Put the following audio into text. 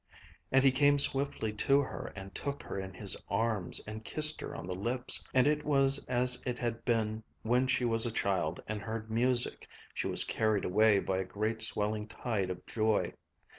And he came swiftly to her and took her in his arms and kissed her on the lips. And it was as it had been when she was a child and heard music, she was carried away by a great swelling tide of joy